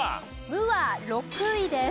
「無」は６位です。